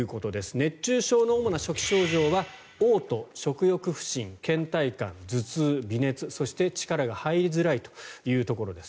熱中症の主な初期症状はおう吐、食欲不振けん怠感、頭痛、微熱そして力が入りづらいというところです。